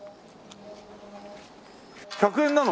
１００円なの？